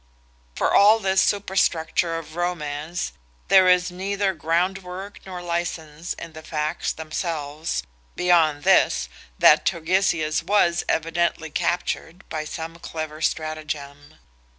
For all this superstructure of romance there is neither ground work nor license in the facts themselves, beyond this, that Turgesius was evidently captured by some clever stratagem.